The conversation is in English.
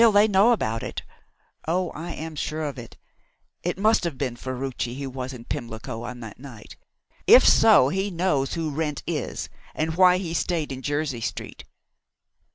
they know about it. Oh, I am sure of it. It must have been Ferruci who was in Pimlico on that night. If so, he knows who Wrent is, and why he stayed in Jersey Street."